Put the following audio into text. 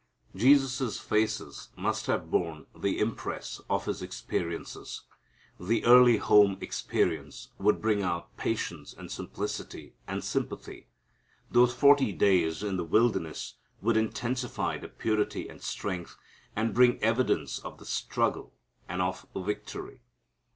Jesus' face must have borne the impress of His experiences. The early home experience would bring out patience and simplicity and sympathy. Those forty days in the wilderness would intensify the purity and strength, and bring evidence of struggle and of victory.